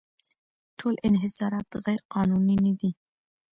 ټول انحصارات غیرقانوني نه دي.